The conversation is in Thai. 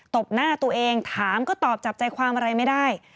บหน้าตัวเองถามก็ตอบจับใจความอะไรไม่ได้